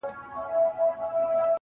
زړه تا دا كيسه شــــــــــروع كــړه~